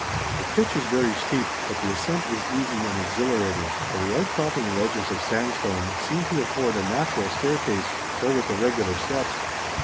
The pitch is very steep but the ascent is easy and exhilarating, for the outcropping ledges of sandstone seem to afford a natural staircase, though with irregular steps.